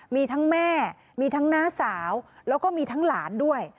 มีทั้งแม่มีทั้งน้าสาวแล้วก็มีทั้งหลานด้วย